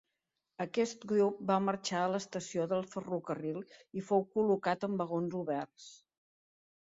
Aquest grup va marxar a l'estació del ferrocarril i fou col·locat en vagons oberts.